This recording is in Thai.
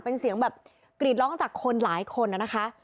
เป็นเสียงแบบกรีดร้องจากคนหลายคนนะคะ